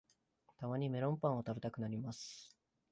たまにメロンパンを食べたくなります